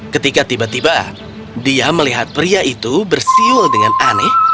ketika tiba tiba dia melihat pria itu bersiul dengan aneh